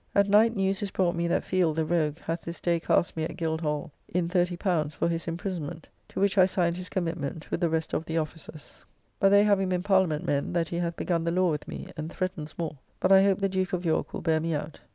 At night news is brought me that Field the rogue hath this day cast me at Guildhall in L30 for his imprisonment, to which I signed his commitment with the rest of the officers; but they having been parliament men, that he hath begun the law with me; and threatens more, but I hope the Duke of York will bear me out.